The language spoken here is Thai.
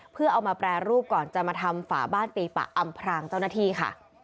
เพื่อเอามาแปรรูปก่อนจะมาทำฝาบ้านตีปะอำพรางเจ้าหน้าที่ค่ะ